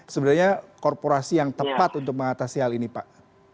sebenarnya korporasi yang tepat untuk mengatasi hal ini pak